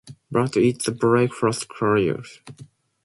But it's a breakfast cereal!